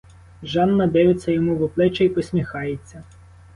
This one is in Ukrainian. Жанна дивиться йому в обличчя й посміхається.